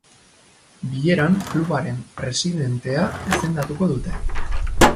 Bileran klubaren presidentea izendatuko dute.